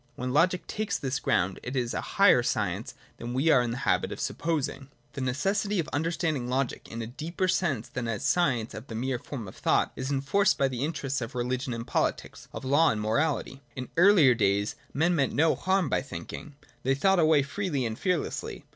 When Loo ic takes this ground, it is a higher science than we are in the habit of supposing. (3) The necessity of understanding Logic in a deeper sense than as the science of the mere form of thought is enforced by the interests of religion and politics, of law and I9 20.J LOGIC— THE SCIENCE OF THOUGHT. 3,1; morality. In earlier days men meant no harm by thinking : they thought away freely and fearlessly.